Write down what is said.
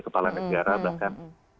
kepala negara bahkan